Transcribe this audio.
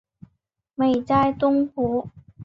美哉东湖！